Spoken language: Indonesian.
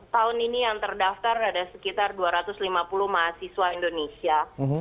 tahun ini yang terdaftar ada sekitar dua ratus lima puluh mahasiswa indonesia